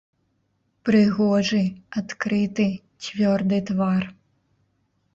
Прыгожы, адкрыты, цвёрды твар.